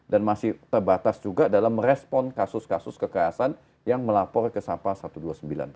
dan masih terbatas juga dalam merespon kasus kasus kekerasan yang melapor ke sapa satu ratus dua puluh sembilan tersebut